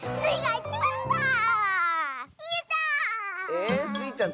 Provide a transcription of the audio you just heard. えスイちゃん